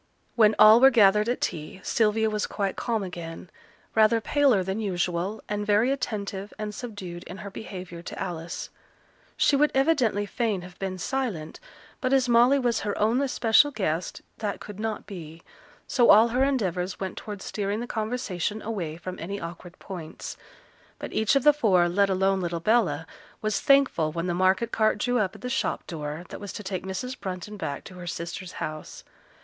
When all were gathered at tea, Sylvia was quite calm again; rather paler than usual, and very attentive and subduced in her behaviour to Alice; she would evidently fain have been silent, but as Molly was her own especial guest, that could not be, so all her endeavours went towards steering the conversation away from any awkward points. But each of the four, let alone little Bella, was thankful when the market cart drew up at the shop door, that was to take Mrs. Brunton back to her sister's house.